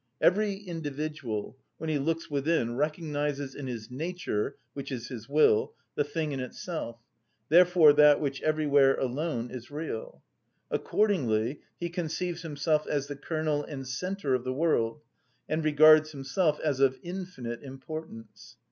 Every individual, when he looks within, recognises in his nature, which is his will, the thing in itself, therefore that which everywhere alone is real. Accordingly he conceives himself as the kernel and centre of the world, and regards himself as of infinite importance.